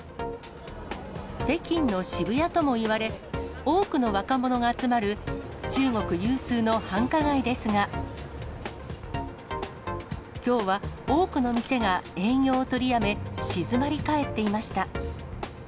北京の渋谷ともいわれ、多くの若者が集まる中国有数の繁華街ですが、きょうは多くの店が営業を取りやめ、静まり返っていました。